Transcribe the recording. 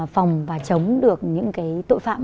phòng và chống được những tội phạm